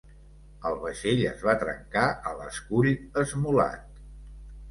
El vaixell es va trencar a l'escull esmolat.